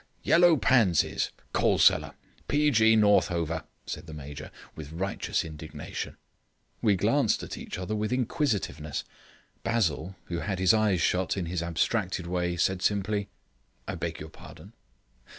"Yellow pansies. Coal cellar. P. G. Northover," said the Major, with righteous indignation. We glanced at each other with inquisitiveness. Basil, who had his eyes shut in his abstracted way, said simply: "I beg your pardon."